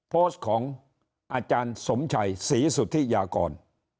โพสต์ของอาจารย์สมชัยศรีสุธิยากร